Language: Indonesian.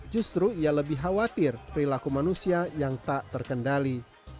justru ia lebih khawatir perilaku manusia yang tak terkendali